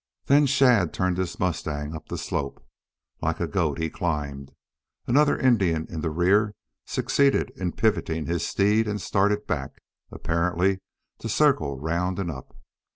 Then Shadd turned his mustang up the slope. Like a goat he climbed. Another Indian in the rear succeeded in pivoting his steed and started back, apparently to circle round and up.